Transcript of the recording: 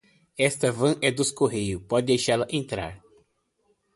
Esta van é dos correios. Pode deixá-la entrar.